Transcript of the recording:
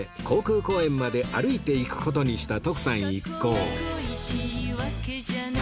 航空公園まで歩いて行く事にした徳さん一行